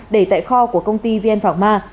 để tại kho của công ty vn phạc ma